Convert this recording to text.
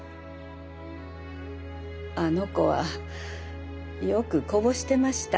あの子はよくこぼしてました。